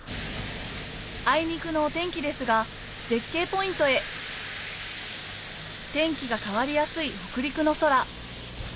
あいにくのお天気ですが絶景ポイントへ天気が変わりやすい北陸の空